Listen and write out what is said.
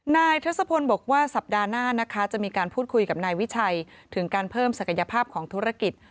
ทศพลบอกว่าสัปดาห์หน้านะคะจะมีการพูดคุยกับนายวิชัยถึงการเพิ่มศักยภาพของธุรกิจ